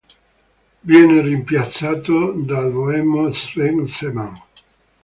Viene rimpiazzato dal boemo Zdeněk Zeman.